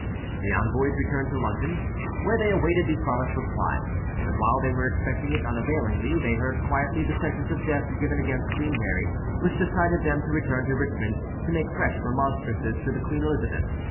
The envoys returned to London, where they awaited the promised reply; but while they were expecting it unavailingly, they heard quietly the sentence of death given against Queen Mary, which decided them to return to Richmond to make fresh remonstrances to Queen Elizabeth.